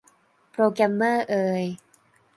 โปรแกรมเมอร์เอย